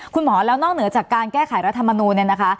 คุณหมอแล้วนอกเหนือจากการแก้ไขรัฐมนูลเนี่ยนะคะ